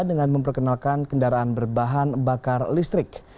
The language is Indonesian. dengan memperkenalkan kendaraan berbahan bakar listrik